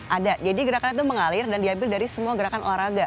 ada jadi gerakan itu mengalir dan diambil dari semua gerakan olahraga